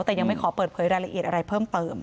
แต่ยังไม่ขอเปิดเผยรายละเอียดอะไรเพิ่มเติม